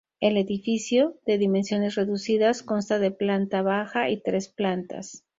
El edificio, de dimensiones reducidas, consta de planta baja y tres plantas.